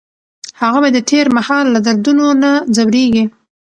هغه به د تېر مهال له دردونو نه ځوریږي.